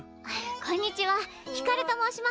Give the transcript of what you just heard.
こんにちはひかると申します。